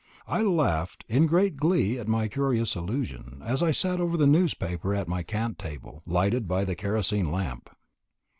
I laughed in great glee at my curious illusion, as I sat over the newspaper at my camp table, lighted by the kerosene lamp.